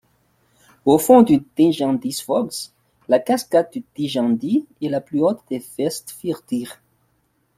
Au fond du Dynjandisvogs, la cascade de Dynjandi est la plus haute des Vestfirðir.